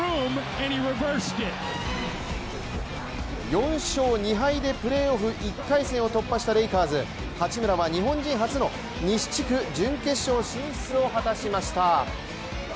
４勝２敗でプレーオフ、１回で突破したレイカーズ、八村は日本人初の西地区準決勝進出を果たしました。